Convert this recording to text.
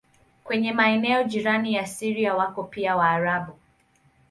Kwenye maeneo jirani na Syria wako pia Waarabu.